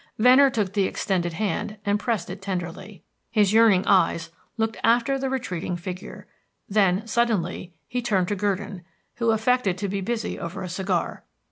Venner took the extended hand and pressed it tenderly. His yearning eyes looked after the retreating figure; then, suddenly, he turned to Gurdon, who affected to be busy over a cigar.